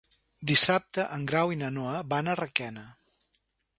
Dissabte en Grau i na Noa van a Requena.